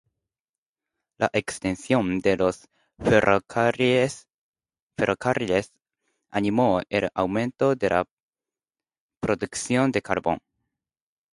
La extensión de los ferrocarriles animó el aumento de la producción de carbón.